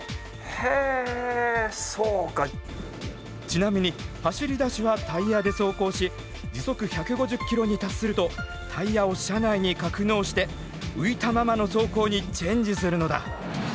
ちなみに走りだしはタイヤで走行し時速１５０キロに達するとタイヤを車内に格納して浮いたままの走行にチェンジするのだ。